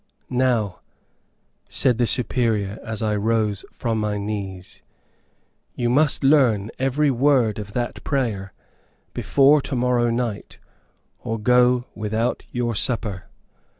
"Now," said the Superior, as I rose from my knees, "you must learn every word of that prayer before to morrow night, or go without your supper."